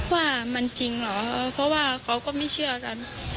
ว่ามันจริงเหรอเพราะว่าเขาก็ไม่เชื่อกัน